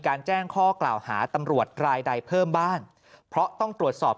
แจ้งข้อกล่าวหาตำรวจรายใดเพิ่มบ้างเพราะต้องตรวจสอบ